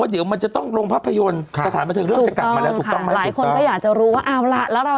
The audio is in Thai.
ดีใจนะ